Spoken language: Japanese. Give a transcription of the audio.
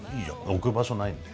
置く場所ないんで。